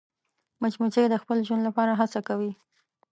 مچمچۍ د خپل ژوند لپاره هڅه کوي